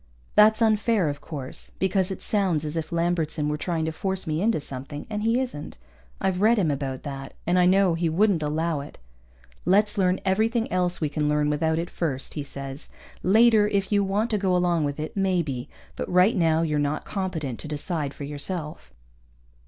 That's unfair, of course, because it sounds as if Lambertson were trying to force me into something, and he isn't. I've read him about that, and I know he wouldn't allow it. Let's learn everything else we can learn without it first, he says. _Later, if you want to go along with it, maybe. But right now you're not competent to decide for yourself.